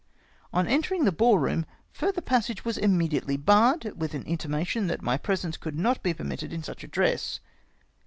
On entering the ball room, fiuther passage Avas im mediately barred, with an intimation that my presence could not be permitted in such a dress.